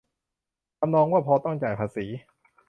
ทำนองว่า พอต้องจ่ายภาษี